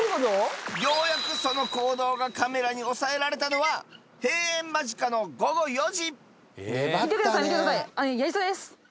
ようやくその行動がカメラに押さえられたのは閉園間近の午後４時見てください見てくださいやりそうです！